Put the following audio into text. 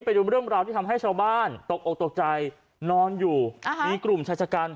ไปดูเรื่องราวที่ทำให้ชาวบ้านตกอกตกใจนอนอยู่อ่ามีกลุ่มชายชะกัน